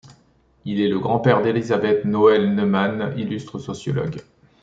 Il est le grand-père d'Elisabeth Noelle-Neumann, illustre sociologue.